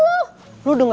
ini kan udah malem